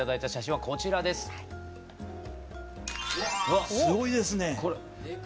わっすごいですね！